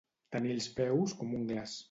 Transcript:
Tenir els peus com un glaç.